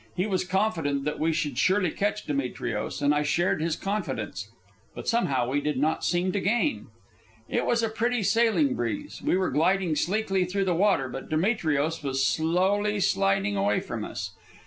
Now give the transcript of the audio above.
He was confident that we should surely catch Demetrios, and I shared his confidence. But somehow we did not seem to gain. It was a pretty sailing breeze. We were gliding sleekly through the water, but Demetrios was slowly sliding away from us.